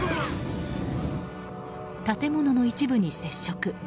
建物の一部に接触。